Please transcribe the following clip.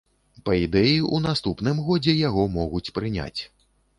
Па ідэі, у наступным годзе яго могуць прыняць.